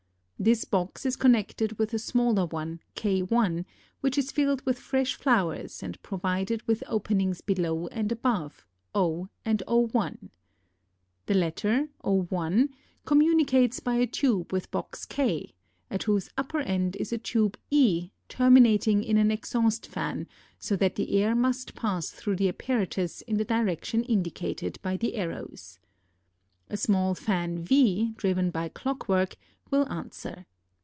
This box is connected with a smaller one K_ which is filled with fresh flowers and provided with openings below and above, O and O_. The latter, O_ communicates by a tube with box K, at whose upper end is a tube e terminating in an exhaust fan so that the air must pass through the apparatus in the direction indicated by the arrows. A small fan V driven by clockwork will answer.